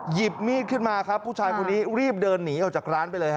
หยิบมีดขึ้นมาครับผู้ชายคนนี้รีบเดินหนีออกจากร้านไปเลยฮ